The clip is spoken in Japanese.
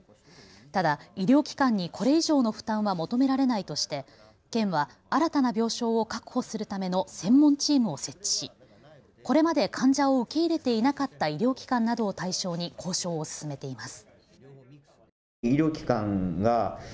ただ、医療機関にこれ以上の負担は求められないとして県は新たな病床を確保するための専門チームを設置しこれまで患者を受け入れていなかった医療機関などを対象に交渉を進めています。